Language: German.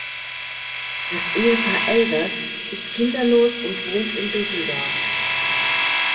Das Ehepaar Elbers ist kinderlos und wohnt in Düsseldorf.